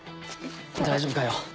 大丈夫かよ。